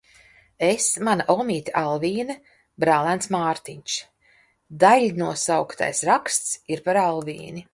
Es, mana omīte Alvīne, brālēns Mārtiņš. Daiļnosauktais raksts ir par Alvīni.